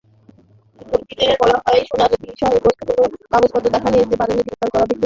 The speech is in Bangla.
বিজ্ঞপ্তিতে বলা হয়, সোনার বিষয়ে বৈধ কোনো কাগজপত্র দেখাতে পারেননি গ্রেপ্তার হওয়া ব্যক্তিরা।